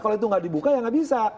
kalau itu nggak dibuka ya nggak bisa